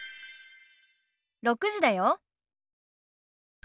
６時だよ。